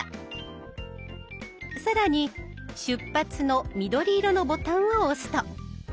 更に「出発」の緑色のボタンを押すと。